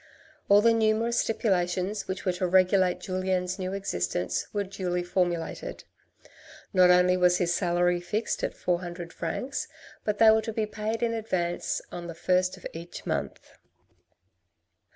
All the numerous stipulations which were to regulate Julien's new existence were duly formulated. Not only was his salary fixed at four hundred francs, but they were to be paid in advance on the first of each month.